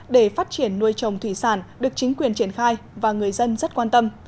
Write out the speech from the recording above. để phát triển nuôi trồng thủy sản được chính quyền triển khai và người dân rất quan tâm